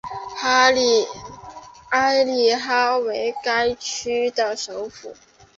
埃里哈为该区的首府。